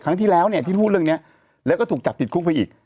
ครั้งที่แล้วเนี่ยที่พูดเรื่องนี้แล้วก็ถูกจับติดคุกไปอีก